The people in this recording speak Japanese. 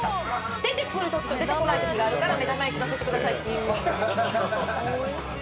出てくるときと出てこないときがあるから目玉焼きのせてくださいって言う。